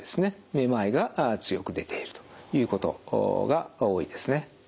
めまいが強く出ているということが多いですね。